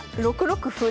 ６六歩。